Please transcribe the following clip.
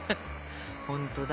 ほんとだ。